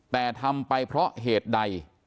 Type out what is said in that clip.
แต่ทำไปเพราะเหตุใด